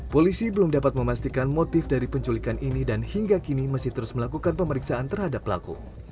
polisi belum dapat memastikan motif dari penculikan ini dan hingga kini masih terus melakukan pemeriksaan terhadap pelaku